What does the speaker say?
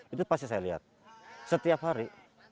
itu pasti saya lihat setiap hari